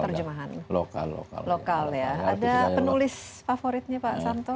ada penulis favoritnya pak santos